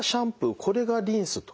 これがリンスと。